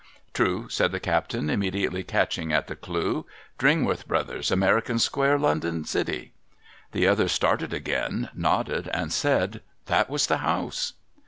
' True,' said the captain, immediately catching at the clew :' Dringworth Brothers, America square, London City.' The other started again, nodded, and said, ' That was the house.'